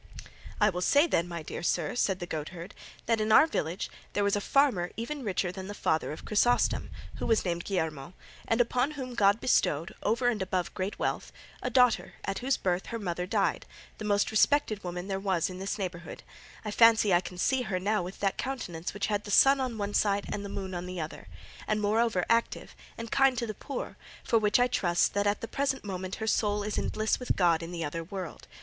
"I say then, my dear sir," said the goatherd, "that in our village there was a farmer even richer than the father of Chrysostom, who was named Guillermo, and upon whom God bestowed, over and above great wealth, a daughter at whose birth her mother died, the most respected woman there was in this neighbourhood; I fancy I can see her now with that countenance which had the sun on one side and the moon on the other; and moreover active, and kind to the poor, for which I trust that at the present moment her soul is in bliss with God in the other world.